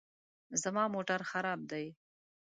زما موټر خراب دی